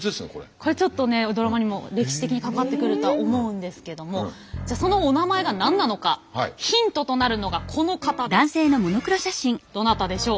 これちょっとねドラマにも歴史的に関わってくるとは思うんですけどもじゃそのおなまえが何なのかヒントとなるのがこの方です。